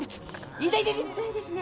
ああ痛いですね。